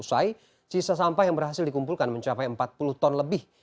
usai sisa sampah yang berhasil dikumpulkan mencapai empat puluh ton lebih